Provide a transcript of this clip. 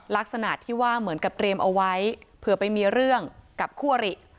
ลักษณะที่ว่าเหมือนกับเตรียมเอาไว้เผื่อไปมีเรื่องกับคู่อริ